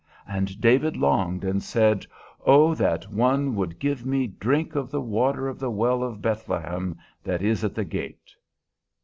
'And David longed, and said, Oh, that one would give me drink of the water of the well of Beth lehem, that is at the gate!'